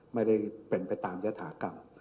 ไม่ได้เป็นไปตามยฐากรรม